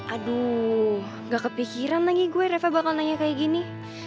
aduh gak kepikiran lagi gue reva bakal nanya kayak gini